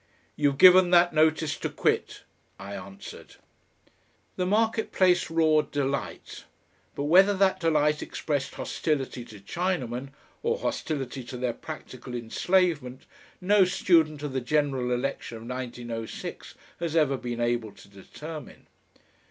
"You've given that notice to quit," I answered. The Market place roared delight, but whether that delight expressed hostility to Chinamen or hostility to their practical enslavement no student of the General Election of 1906 has ever been able to determine.